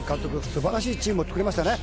素晴らしいチームを作りましたね。